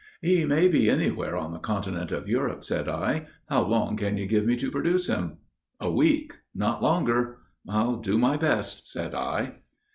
"He may be anywhere on the continent of Europe," said I. "How long can you give me to produce him?" "A week. Not longer." "I'll do my best," said I.